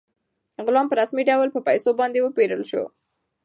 غلام په رسمي ډول په پیسو باندې وپېرل شو.